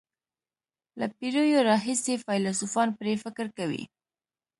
له پېړیو راهیسې فیلسوفان پرې فکر کوي.